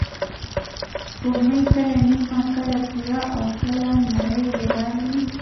سپوږمۍ کله نیمه، کله پوره، او کله نری هلال وي